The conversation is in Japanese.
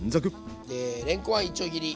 れんこんはいちょう切り。